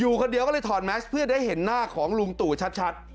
คนเดียวก็เลยถอดแมสเพื่อได้เห็นหน้าของลุงตู่ชัด